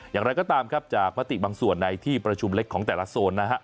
อย่างไรก็ตามครับจากมติบางส่วนในที่ประชุมเล็กของแต่ละโซนนะฮะ